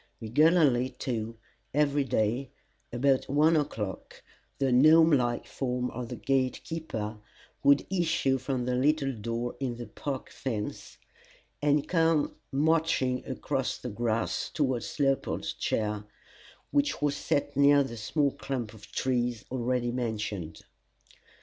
Regularly too every day, about one o'clock, the gnome like form of the gate keeper would issue from the little door in the park fence, and come marching across the grass towards Leopold's chair, which was set near the small clump of trees already mentioned.